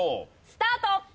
スタート！